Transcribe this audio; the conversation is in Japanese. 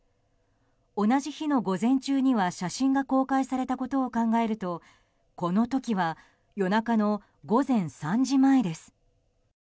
同じ日の午前中には写真が公開されたことを考えるとこの時は夜中の午前３時前です。